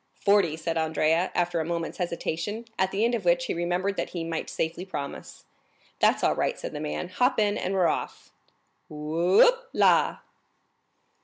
"Forty," said Andrea, after a moment's hesitation, at the end of which he remembered that he might safely promise. "That's all right," said the man; "hop in, and we're off! Who o o pla!"